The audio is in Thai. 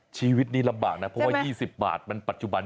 ชีวิตนี้ลำบากนะเพราะว่า๒๐บาทมันปัจจุบัน